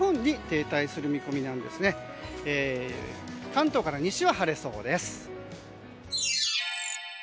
関東から西は晴れそうです。